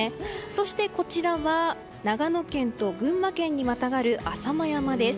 そして、こちらは長野県と群馬県にまたがる浅間山です。